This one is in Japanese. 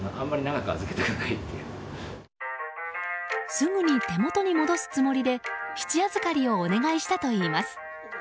すぐに手元に戻すつもりで質預かりをお願いしたといいます。